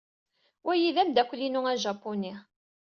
Wayi d-amdakkel-inu ajapuni.